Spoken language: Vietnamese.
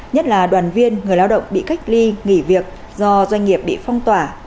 nhất là đoàn viên người lao động bị cách ly nghỉ việc do doanh nghiệp bị phong tỏa